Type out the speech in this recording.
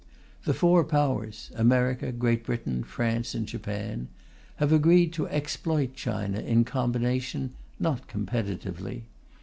The Four Powers America, Great Britain, France, and Japan have agreed to exploit China in combination, not competitively.